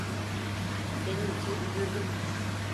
Senin için üzüldüm.